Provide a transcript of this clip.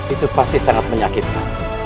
itu pasti sangat menyakitkan